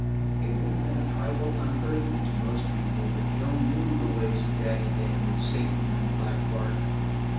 It would have been a trifle unearthly to most people, but Joan knew the ways of Daddy Dan with Satan and Black Bart.